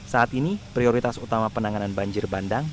saat ini prioritas utama penanganan banjir bandang